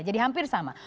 jadi hampir sama